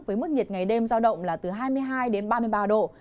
với mức nhiệt ngày đêm giao động là từ hai mươi hai đến ba mươi ba độ